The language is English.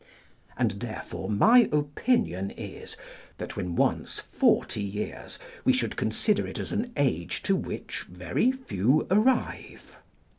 And therefore my opinion is, that when once forty years we should consider it as an age to which very few arrive.